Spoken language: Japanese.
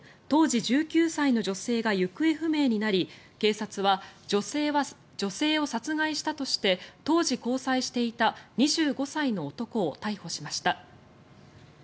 当時１９歳の女性が行方不明になり警察は女性を殺害したとして当時交際していた２５歳の男を逮捕しました。